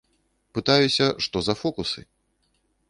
Пытаюся, што за фокусы.